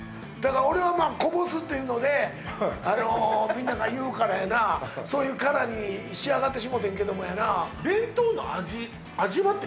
俺はこぼすっていうのでみんなが言うからやなそういうキャラに仕上がってしもうてんけどもやなあるわ！